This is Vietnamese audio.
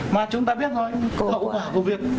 mà chúng ta biết rồi hậu quả của việc sức khỏe